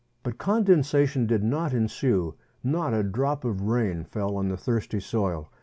But condensation did not ensue — not a drop of rain fell on to the thirsty soil.